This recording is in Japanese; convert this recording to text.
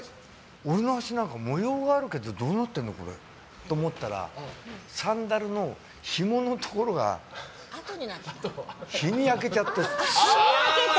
俺の足模様があるけどどうなってんのと思ったらサンダルのひものところが日に焼けちゃって。